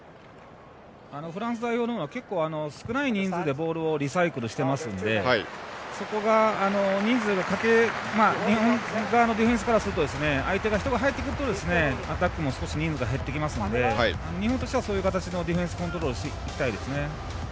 フランス代表のほうが結構、少ない人数でボールをリサイクルしていますので日本側のディフェンスからすると相手が入ってくるとアタックも少し人数が減ってきますので日本としては、そういう形のディフェンスをしたいですね。